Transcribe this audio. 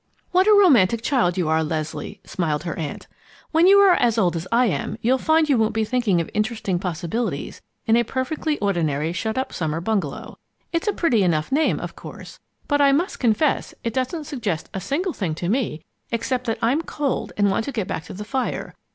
"What a romantic child you are, Leslie!" smiled her aunt. "When you are as old as I am, you'll find you won't be thinking of interesting possibilities in a perfectly ordinary shut up summer bungalow. It's a pretty enough name, of course, but I must confess it doesn't suggest a single thing to me except that I'm cold and want to get back to the fire.